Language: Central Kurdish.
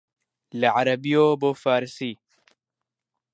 لە عەرەبییەوە بۆ فارسی